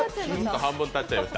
半分立っちゃいました、